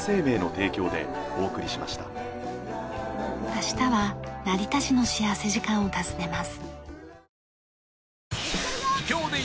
明日は成田市の幸福時間を訪ねます。